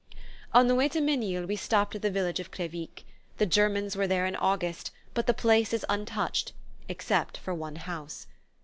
On the way to Menil we stopped at the village of Crevic. The Germans were there in August, but the place is untouched except for one house.